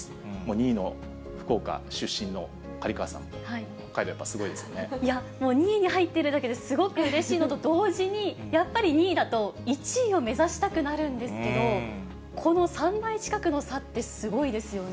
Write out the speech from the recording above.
２位の福岡出身の刈川さん、いや、もう２位に入っているだけですごくうれしいのと同時に、やっぱり２位だと、１位を目指したくなるんですけど、この３倍近くの差って、すごいですよね。